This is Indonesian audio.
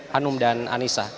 hanum dan anissa